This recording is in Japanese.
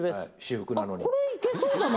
法あっこれいけそうだな。